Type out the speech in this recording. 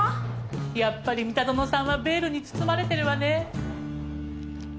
やっぱり三田園さんはベールに包まれてるわね。